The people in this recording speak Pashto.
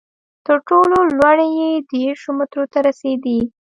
تر ټولو لوړې یې دېرشو مترو ته رسېدې.